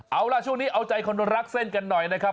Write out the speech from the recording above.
เอาล่ะช่วงนี้เอาใจคนรักเส้นกันหน่อยนะครับ